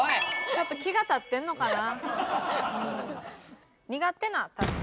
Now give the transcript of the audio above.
ちょっと気が立ってんのかな？